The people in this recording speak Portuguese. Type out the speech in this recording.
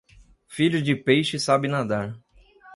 Filho de peixe sabe nadar.